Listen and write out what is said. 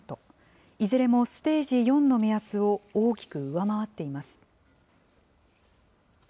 いずれもステージ４の目安を大きく上回っています。